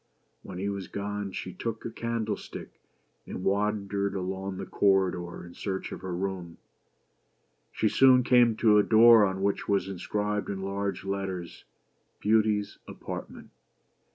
When he was gone, she took a candlestick and wandered along the corridor in search of her room. She soon came to a door on which was inscribed in large letters —" Beauty's BEAUTY AND THE BEAST. Apartment."